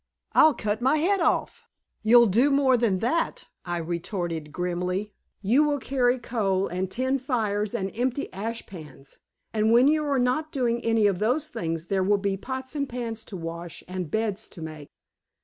I'll cut my head off." "You'll do more than that," I retorted grimly. "You will carry coal and tend fires and empty ash pans, and when you are not doing any of those things there will be pots and pans to wash and beds to make."